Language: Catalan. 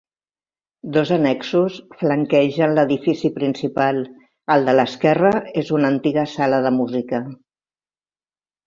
Dos annexos flanquegen l'edifici principal; el de l'esquerra és una antiga sala de música.